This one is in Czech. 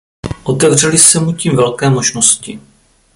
Otevřely se mu tím velké možnosti.